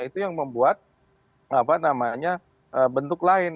itu yang membuat bentuk lain